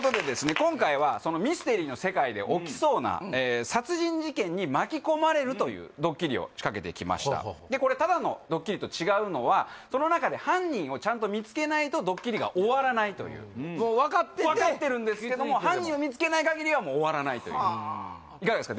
今回はそのミステリーの世界で起きそうな殺人事件に巻き込まれるというドッキリを仕掛けてきましたでこれただのドッキリと違うのはその中でちゃんともう分かってて分かってるんですけども犯人を見つけない限りはもう終わらないといういかがですか？